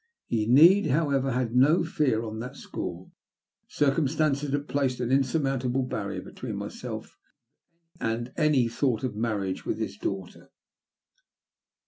He need, however, have had no fear on that score. Circum stances had placed an insurmountable barrier between myself and any thought of marriage with his daughter.